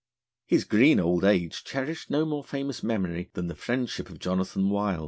His green old age cherished no more famous memory than the friendship of Jonathan Wild.